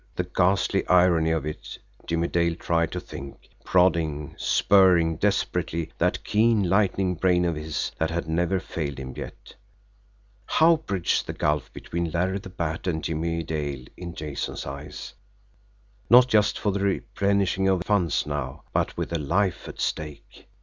The ghastly irony of it! Jimmie Dale tried to think prodding, spurring desperately that keen, lightning brain of his that had never failed him yet. How bridge the gulf between Larry the Bat and Jimmie Dale in Jason's eyes not just for the replenishing of funds now, but with a life at stake!